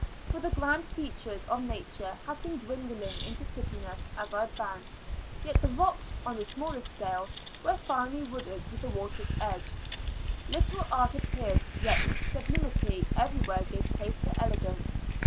For the grand features of nature had been dwindling into prettiness as I advanced; yet the rocks, on a smaller scale, were finely wooded to the water's edge. Little art appeared, yet sublimity everywhere gave place to elegance.